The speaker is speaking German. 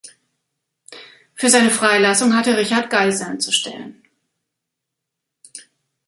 Für seine Freilassung hatte Richard Geiseln zu stellen.